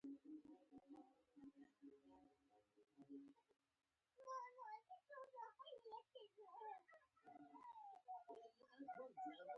او غټان يې پرېښوول کېږي.